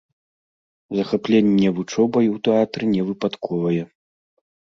Захапленне вучобай у тэатры не выпадковае.